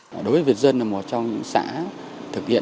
đối với việt dân là một trong những xã thực hiện